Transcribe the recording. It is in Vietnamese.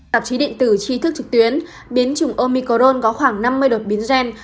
tạp chí điện tử tri thức trực tuyến biến chủng omicron có khoảng năm mươi đột biến gen